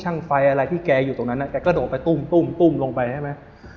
ช่างไฟอะไรที่แกอยู่ตรงนั้นแกกระโดดออกไปตุ้มตุ้มตุ้มตุ้มลงไปใช่มั้ย